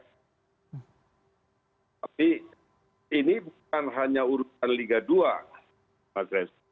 tapi ini bukan hanya urutan liga dua pak reza